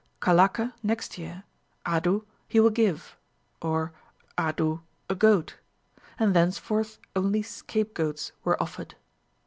Kalake next year, adu he will give, or adu a goat, and thenceforth only scapegoats were offered."